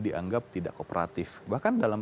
dianggap tidak kooperatif bahkan dalam